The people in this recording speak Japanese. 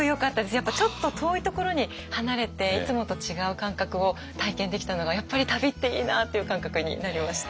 やっぱちょっと遠いところに離れていつもと違う感覚を体験できたのがやっぱり旅っていいな！っていう感覚になりました。